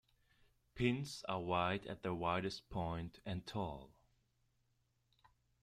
Pins are wide at their widest point and tall.